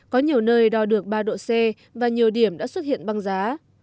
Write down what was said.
có nhiều nơi đo được ba độ c và nhiều điểm đã xuất hiện băng giá